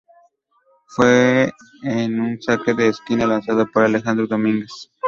Fue en un saque de esquina lanzado por Alejandro Domínguez.